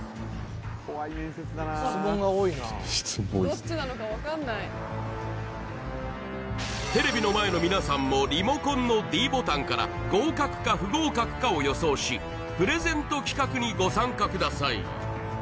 茄子はテレビの前の皆さんもリモコンのｄボタンから合格か不合格かを予想しプレゼント企画にご参加ください